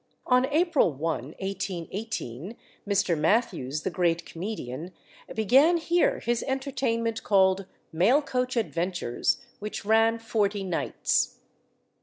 On April 1, 1818, Mr. Mathews, the great comedian, began here his entertainment called "Mail coach Adventures," which ran forty nights.